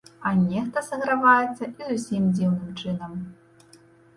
А нехта саграваецца і зусім дзіўным чынам.